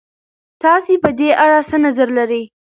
تاسې په دې اړه څه نظر لرئ؟